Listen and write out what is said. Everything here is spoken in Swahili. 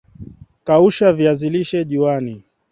kausha viazi lishe juani